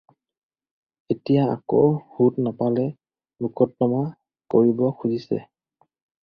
এতিয়া আকৌ সুত নাপালে মোকৰ্দমা কৰিব খুজিছে।